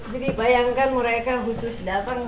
jadi bayangkan mereka khusus datang